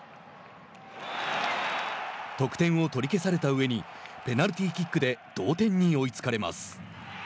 得点を取り消されたうえにペナルティーキックで同点に追いつかれます。